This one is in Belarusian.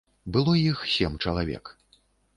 Было іх сем чалавек.